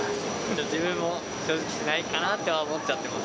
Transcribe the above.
自分も正直しないかなと思っちゃってます。